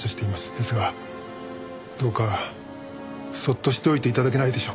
ですがどうかそっとしておいて頂けないでしょうか？